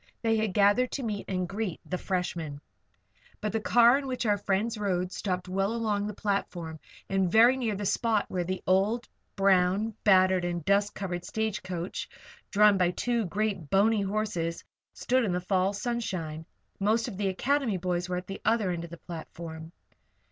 They had gathered to meet and greet "freshmen." But the car in which our friends rode stopped well along the platform and very near the spot where the old, brown, battered, and dust covered stage coach, drawn by two great, bony horses, stood in the fall sunshine. Most of the Academy boys were at the other end of the platform.